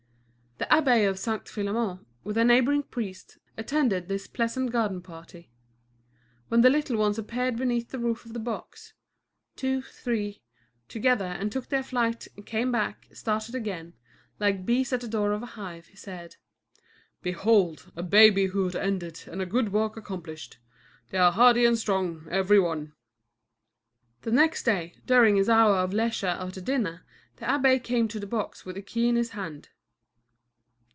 The abbé of St. Philémon, with a neighboring priest, attended this pleasant garden party. When the little ones appeared beneath the roof of the box two, three together and took their flight, came back, started again, like bees at the door of a hive, he said: "Behold, a babyhood ended and a good work accomplished. They are hardy and strong, every one." The next day, during his hour of leisure after dinner, the abbé came to the box with the key in his hand.